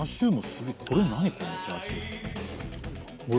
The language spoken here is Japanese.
これ何このチャーシューほら